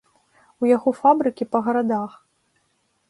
У яго фабрыкі па гарадах.